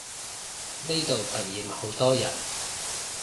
呢度突然好多人